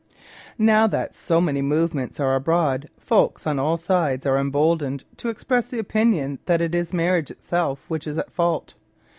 Now that so many " movements " are abroad, folk on all sides are emboldened to express the opinion that it is marriage itself which is at fault.